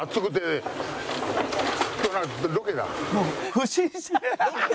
不審者。